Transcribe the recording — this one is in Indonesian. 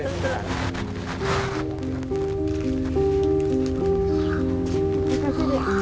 terima kasih bu